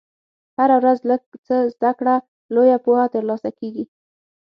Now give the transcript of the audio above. هره ورځ لږ څه زده کړه، لویه پوهه ترلاسه کېږي.